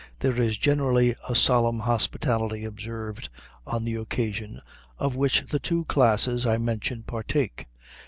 There is generally a solemn hospitality observed on the occasion, of which the two classes I mention partake.